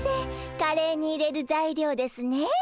カレーに入れるざいりょうですね？